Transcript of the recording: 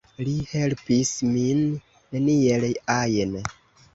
Li helpis min neniel ajn